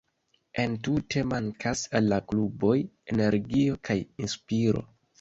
Entute, mankas al la kluboj energio kaj inspiro.